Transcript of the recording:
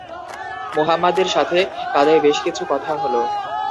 মুহাম্মাদের সাথে তাদের বেশ কিছু কথা হল।